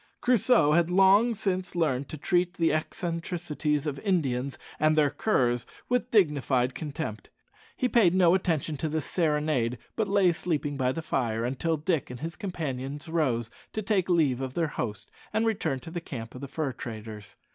Crusoe had long since learned to treat the eccentricities of Indians and their curs with dignified contempt. He paid no attention to this serenade, but lay sleeping by the fire until Dick and his companions rose to take leave of their host and return to the camp of the fur traders.